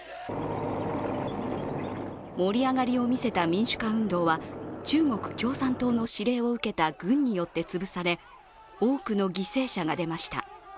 盛り上がりを見せた民主化運動は中国共産党の指令を受けた軍によってつぶされ、多くの犠牲者が出ました。